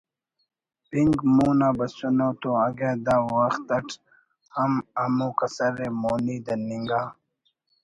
پنک مون آ بسنو تو اگہ دا وخت اٹ ہم ہمو کسر ءِ مونی دننگا